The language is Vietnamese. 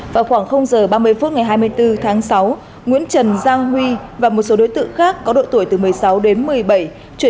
vào khoảng h ba mươi phút ngày hai mươi bốn tháng sáu nguyễn trần giang huy và một số đối tượng khác có độ tuổi từ một mươi sáu đến một mươi bảy